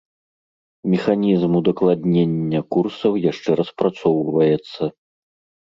Механізм удакладнення курсаў яшчэ распрацоўваецца.